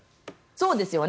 そうですよね。